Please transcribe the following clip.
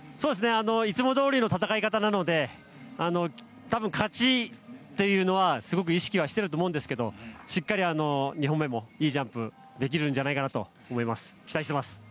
いつもどおりの戦い方なので多分勝ちというのはすごく意識していると思うんですがしっかり２本目もいいジャンプできるんじゃないかと思います。